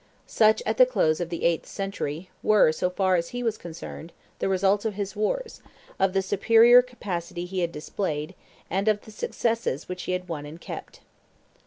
Such, at the close of the eighth century, were, so far as he was concerned, the results of his wars, of the superior capacity he had displayed, and of the successes he had won and kept.